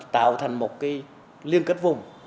tạo thành một liên kết vùng